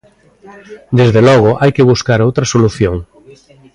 Desde logo, hai que buscar outra solución.